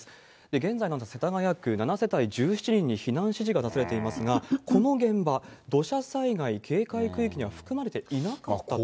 現在なんですが、世田谷区７世帯１７人に避難指示が出されていますが、この現場、土砂災害警戒区域には含まれていなかったと。